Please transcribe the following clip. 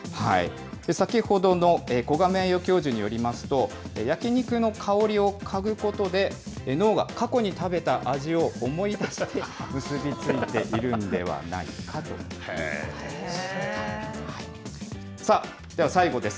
先ほどの古賀名誉教授によりますと、焼き肉の香りを嗅ぐことで、脳が過去に食べた味を思い出して結び付いているんではないかということです。